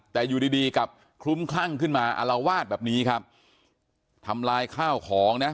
แต่อยู่ดีดีกลับคลุ้มคลั่งขึ้นมาอารวาสแบบนี้ครับทำลายข้าวของนะ